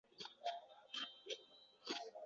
Iloji yo'q narsani o'zi yo'q.